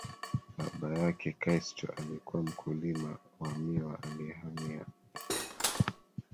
Baba yake Castro alikuwa mkulima wa miwa aliyehamia